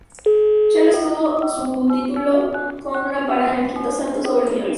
Charlo retuvo su título con una parada en el quinto asalto sobre Williams.